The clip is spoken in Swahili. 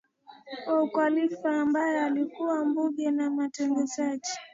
wa Ukhalifa ambaye alikuwa mbunge na mtekelezaji